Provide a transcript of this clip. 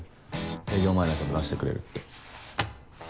営業前だけど出してくれるって。